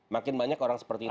makin banyak orang seperti ini